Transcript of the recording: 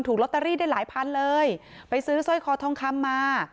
ลอตเตอรี่ได้หลายพันเลยไปซื้อสร้อยคอทองคำมา